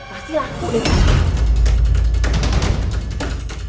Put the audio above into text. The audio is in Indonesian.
pasti laku deh